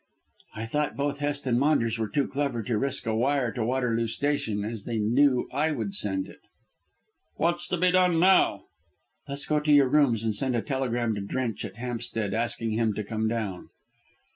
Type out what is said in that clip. "I thought both Hest and Maunders were too clever to risk a wire to Waterloo Station, as they knew I would send it." "What's to be done now?" "Let us go to your rooms and send a telegram to Drench at Hampstead asking him to come down."